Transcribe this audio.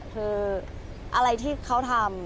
คืออะไรที่เขาทำ